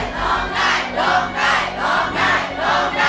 ร้องได้ร้องได้ร้องได้ร้องได้